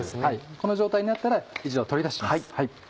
この状態になったら一度取り出します。